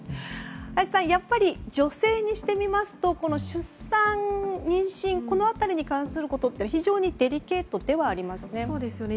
林さん、やっぱり女性にしてみますと、出産・妊娠この辺りに関することは非常にデリケートではありますよね。